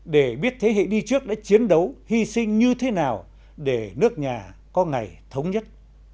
để biết thế hệ đi trước đã chiến đấu hy sinh như thế nào để nước nhà có ngày thống nhất